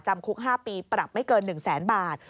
จำคุก๕ปีปรับไม่เกิน๑แสนบาท